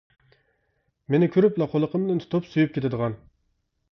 مېنى كۆرۈپلا قۇلىقىمدىن تۇتۇپ سۆيۈپ كېتىدىغان.